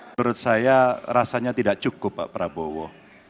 menurut saya rasanya tidak cukup pak prabowo